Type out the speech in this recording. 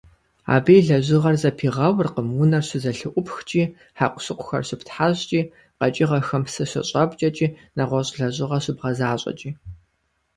Абы и лэжьыгъэр зэпигъэуркъым унэр щызэлъыӀупхкӀи, хьэкъущыкъухэр щыптхьэщӀкӀи, къэкӀыгъэхэм псы щыщӀэпкӀэкӀи, нэгъуэщӀ лэжьыгъэ щыбгъэзащӀэкӀи.